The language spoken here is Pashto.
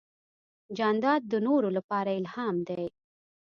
جانداد د نورو لپاره الهام دی.